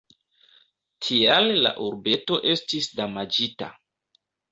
Tial la urbeto estis damaĝita.